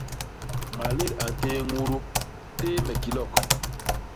Malét a ntéé ñudu, téé me kilok.